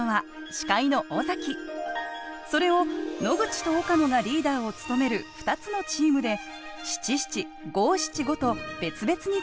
それを野口と岡野がリーダーを務める２つのチームで「７７」「５７５」と別々につないでいきます。